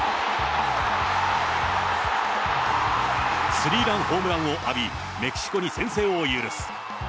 スリーランホームランを浴び、メキシコに先制を許す。